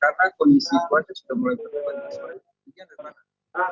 karena kondisi kuatnya sudah mulai berubah